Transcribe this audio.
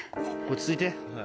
落ち着いて。